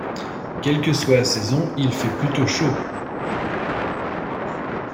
Et quelle que soit la saison, il y fait plutôt chaud.